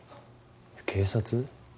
警察？